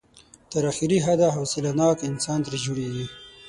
تر اخري حده حوصله ناک انسان ترې جوړېږي.